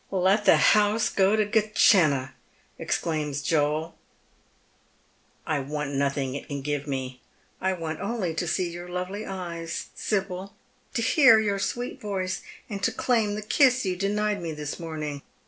" Let the house go to Gehenna," exclaims Joel ;* I want nothing it can give me. I only want to see your lovely eyes, Sibyl, to hear j'our sweet voice, and to claim the kiss you denied me this morning.